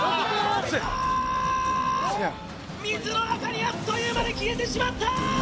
水の中にあっという間に消えてしまった。